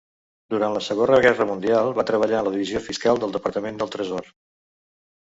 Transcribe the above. Durant la Segona Guerra Mundial va treballar en la divisió Fiscal del Departament del Tresor.